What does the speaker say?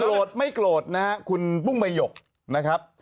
โกรธไม่โกรธนะครับคุณปุ้งใบหยกนะครับ